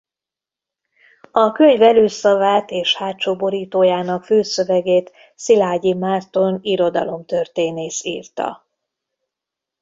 A könyv előszavát és hátsó borítójának fülszövegét Szilágyi Márton irodalomtörténész írta.